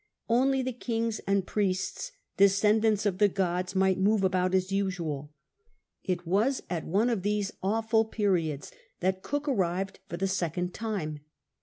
Only the kings and priests, descendants of the gods, might move about as usual. It was at one of these awful periods that Cook arrived for the second time.